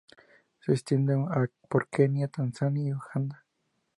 Se extiende por Kenia, Tanzania y Uganda.